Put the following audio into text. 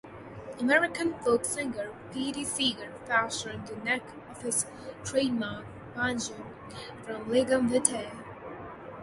American folksinger Pete Seeger fashioned the neck of his trademark banjo from lignum vitae.